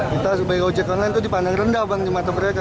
kita sebagai ojek online itu dipandang rendah bang di mata mereka